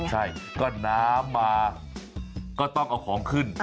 ใช่ก็น้ำมาก็ต้องเอาของขึ้น